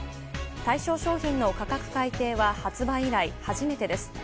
対象商品の価格改定は発売以来初めてです。